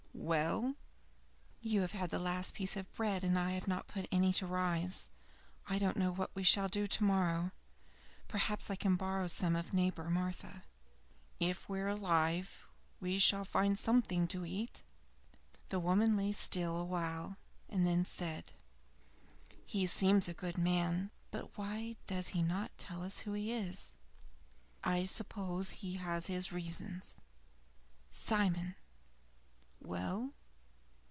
"Well?" "You have had the last of the bread, and I have not put any to rise. I don't know what we shall do tomorrow. Perhaps I can borrow some of neighbor Martha." "If we're alive we shall find something to eat." The woman lay still awhile, and then said, "He seems a good man, but why does he not tell us who he is?" "I suppose he has his reasons." "Simon!" "Well?"